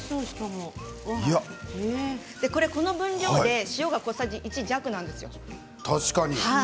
この分量で塩が小さじ１弱なんですよ。